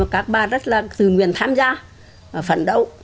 các bà rất là tự nguyện tham gia phấn đấu